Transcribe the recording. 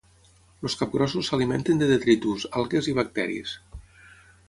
Els capgrossos s'alimenten de detritus, algues i bacteris.